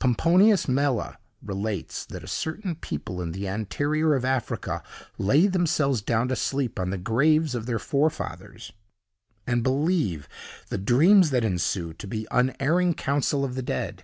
Pomponius Mela relates, that a certain people in the interior of Africa lay themselves down to sleep on the graves of their forefathers, and believe the dreams that ensue to be the unerring counsel of the dead.